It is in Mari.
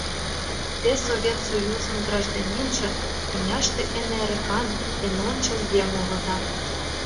Те Совет Союзын гражданинже, тӱняште эн эрыкан, эн ончыл еҥ улыда.